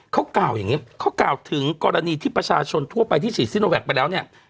เขากล่าวอย่างนี้เขากล่าวถึงกรณีที่ประชาชนทั่วไปที่ฉีดซิโนแวคไปแล้วเนี่ย